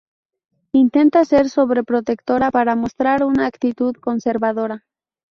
Intenta ser sobreprotectora para mostrar una actitud conservadora.